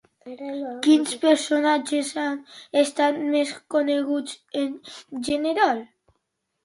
Quins personatges han estat més coneguts en general?